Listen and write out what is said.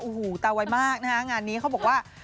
โอ้โหตาไวมากนะฮะงานนี้เขาบอกว่า